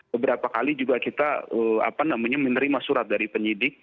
beberapa kali juga kita menerima surat dari penyidik